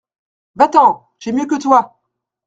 Va-t’en !… j’ai mieux que toi !…